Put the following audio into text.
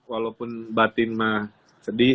walaupun batin ma sedih